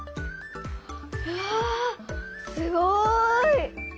うわすごい！